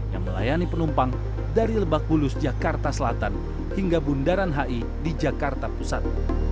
yang melayani penumpang dari lebak bulus jakarta selatan hingga bundaran hi di jakarta pusat